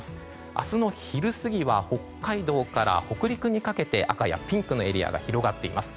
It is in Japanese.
明日の昼過ぎは北海道から北陸にかけて赤やピンクのエリア広がっています。